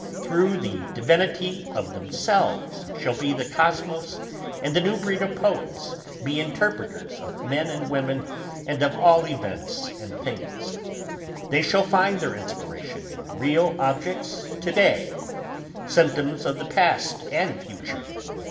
Through the divinity of themselves shall the kosmos and the new breed of poets be interpreters of men and women and of all events and things. They shall find their inspiration in real objects to day, symptoms of the past and future....